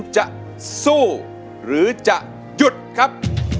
จะสู้หรือจะหยุดครับ